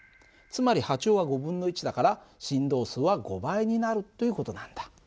つまり波長は５分の１だから振動数は５倍になるという事なんだ。